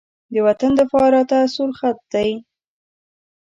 د وطن دفاع راته سور خط دی.